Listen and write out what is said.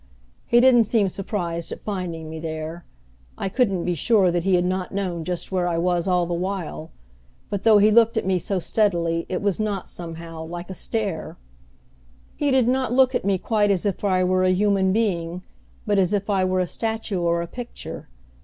He didn't seem surprised at finding me there. I couldn't be sure that he had not known just where I was all the while; but though he looked at me so steadily it was not, somehow, like a stare. He did not look, at me quite as if I were a human being, but as if I were a statue or a picture.